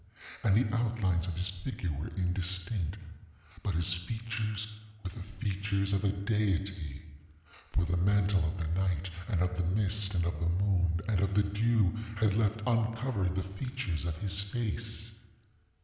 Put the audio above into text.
And the outlines of his figure were indistinctŌĆöbut his features were the features of a deity; for the mantle of the night, and of the mist, and of the moon, and of the dew, had left uncovered the features of his face.